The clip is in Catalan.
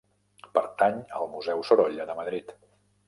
Pertany al Museu Sorolla de Madrid.